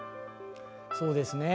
そうですね。